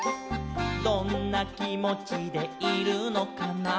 「どんなきもちでいるのかな」